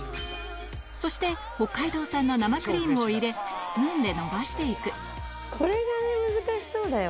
そして北海道産の生クリームを入れスプーンでのばしていくこれがね難しそうだよ。